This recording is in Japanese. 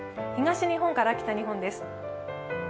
東日本から北日本です。